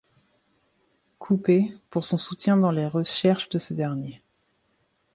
Couper, pour son soutien durant les recherches de ce dernier.